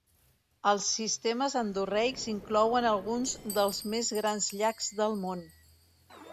Els sistemes endorreics inclouen alguns dels més grans llacs del món.